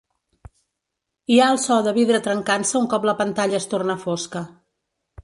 Hi ha el so de vidre trencant-se un cop la pantalla es torna fosca.